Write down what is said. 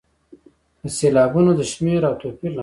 د سېلابونو د شمېر او توپیر له مخې.